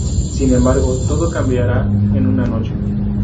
Sin embargo, todo cambiará en una noche.